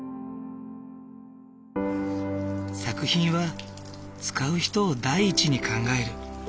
作品は使う人を第一に考える。